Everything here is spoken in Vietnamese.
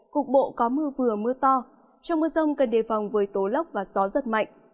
cục bộ có mưa vừa mưa to trong mưa rông cần đề phòng với tố lốc và gió rất mạnh